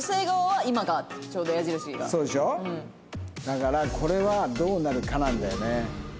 だからこれはどうなるかなんだよね。